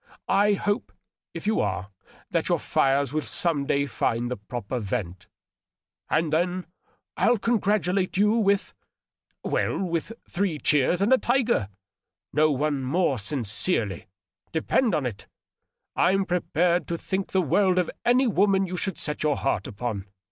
I hope, if you are, that your fires will some day find the proper vent. And then I'll congratulate you with .. well, with three cheers and a ^ tiger '— ^no one more sincerely, depend on it. I'm prepared to think the world of any woman you should set your heart upon.